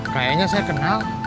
kayaknya saya kenal